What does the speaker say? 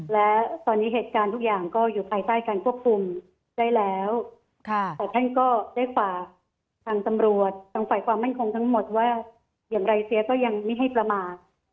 และตอนนี้เหตุการณ์ทุกอย่างก็อยู่ภายใต้การควบคุมได้แล้วแต่ท่านก็ได้ฝากทางตำรวจทางฝ่ายความมั่นคงทั้งหมดว่าอย่างไรเสียก็ยังไม่ให้ประมาท